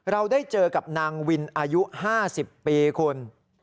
เราได้เจอกับนางวินอายุ๕๐ปีคุณ